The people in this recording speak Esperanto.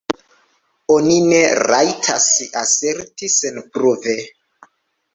Oni ne rajtas aserti senpruve.